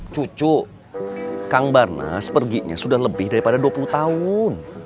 cucu kang barnas perginya sudah lebih daripada dua puluh tahun